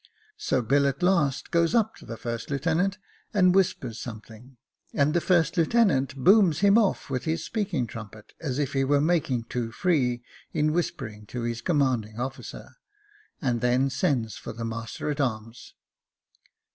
So Bill Jacob Faithful 233 at last goes up to the first lieutenant, and whispers some thing, and the first lieutenant booms him off with his speaking trumpet, as if he was making too free, in whispering to his commanding officer, and then sends for the master at arms.